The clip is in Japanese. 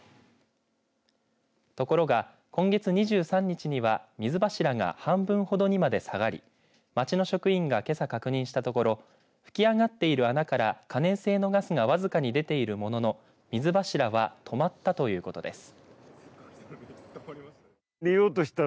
ところが今月２３日には水柱が半分ほどにまで下がり町の職員が、けさ確認したところ噴き上がっている穴から可燃性のガスが僅かに出ているものの水柱は止まったということです。